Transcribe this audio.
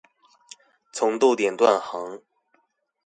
從逗點斷行